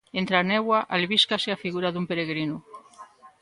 Entre a néboa albíscase a figura dun peregrino.